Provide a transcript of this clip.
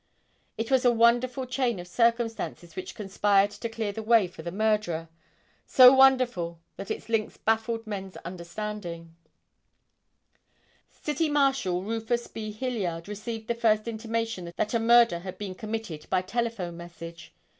It was a wonderful chain of circumstances which conspired to clear the way for the murderer; so wonderful that its links baffled men's understanding. [Illustration: CITY MARSHAL RUFUS B. HILLIARD.] City Marshal Rufus B. Hilliard received the first intimation that a murder had been committed by telephone message.